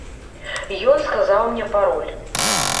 Ён сказаў мне пароль.